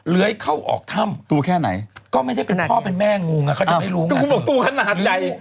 เหลือเข้าออกถ้ำดูแค่ไหนก็ไม่ได้เป็นพ่อเป็นแม่งูฯกระขอให้ดูกันแต่คุณบอกตัวขนาดไหน